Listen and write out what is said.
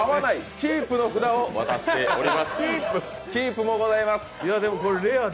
キープもございます。